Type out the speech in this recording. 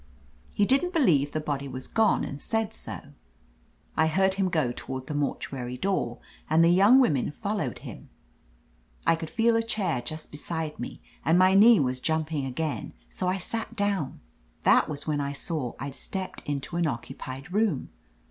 He didn't believe the body was gone, and said so. I heard him go toward the mortuary door, and the young women followed him. I could feel a chair just beside me, and my knee was jumping again, so I sat down. "That was when I saw I'd stepped into an occupied room.